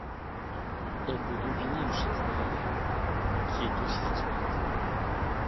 On peut deviner une chaise derrière elle, qui est aussi transparente.